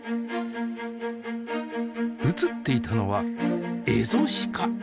映っていたのはエゾシカ。